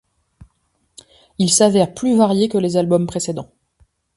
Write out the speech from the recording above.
Il s'avère plus varié que les albums précédents.